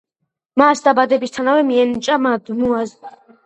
მას დაბადებისთანავე მიენიჭა მადმუაზელ დე ლუნევილის წოდება.